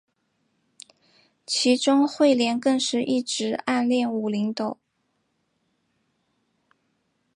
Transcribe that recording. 其中彗莲更是一直暗恋武零斗。